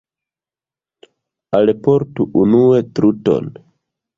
Alportu unue truton.